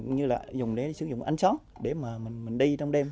như là dùng để sử dụng ánh sáng để mà mình đi trong đêm